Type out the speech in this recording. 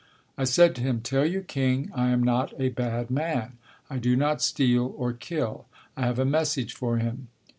I said to him, "Tell your king I am not a bad man; I do not steal or kill; I have a message for him.